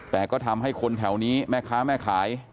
แต่ก็ทำให้คนแถวนี้แม่ค้าแม่ขาย